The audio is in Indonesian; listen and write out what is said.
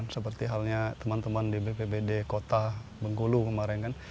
seperti halnya teman teman di bpbd kota bengkulu kemarin kan